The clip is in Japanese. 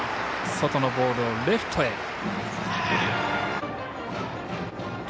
外のボールをレフトへ。